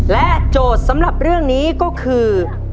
โจทย์สำหรับเรื่องนี้ก็คือ